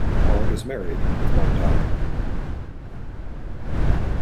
Haug is married, with one daughter.